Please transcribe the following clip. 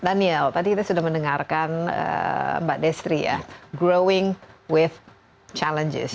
daniel tadi kita sudah mendengarkan mbak destri ya growing with challenges